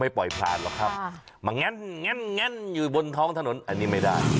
ไม่ปล่อยพลาดหรอกครับงานอยู่บนท้องถนนอันนี้ไม่ได้